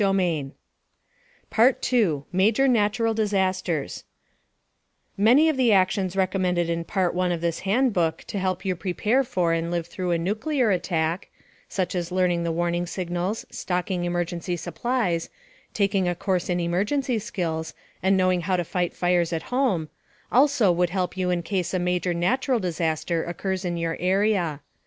PART TWO MAJOR NATURAL DISASTERS Many of the actions recommended in Part I of this handbook to help you prepare for and live through a nuclear attack such as learning the warning signals, stocking emergency supplies, taking a course in emergency skills, and knowing how to fight fires at home also would help you in case a major natural disaster occurs in your area.